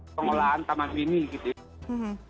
pengelolaan taman mini indonesia